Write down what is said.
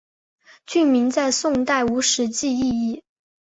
郡名在宋代无实际意义。